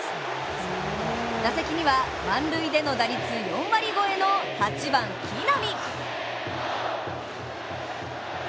打席には満塁での打率４割越えの８番・木浪。